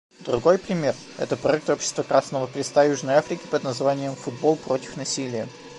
Другой пример — это проект общества Красного Креста Южной Африки под названием «Футбол против насилия».